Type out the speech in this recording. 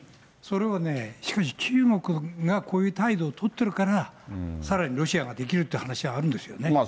それはね、しかし、中国がこういう態度を取ってるから、さらにロシアができるっていう話あるんですよね。